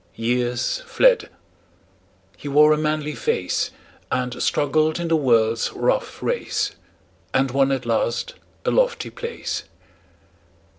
Years fled; he wore a manly face, And struggled in the world's rough race, And won at last a lofty place.